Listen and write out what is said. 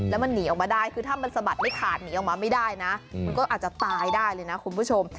แล้วมันหนีออกมาได้คือถ้ามันสะบัดไม่ขาดหนีออกมาไม่ได้นะมันก็อาจจะตายได้เลยนะคุณผู้ชม